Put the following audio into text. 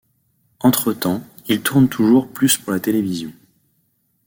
Entre-temps, il tourne toujours plus pour la télévision.